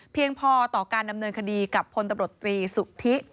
เพียงพอต่อการดำเนินคดีกับผลบรตรีสุทธิ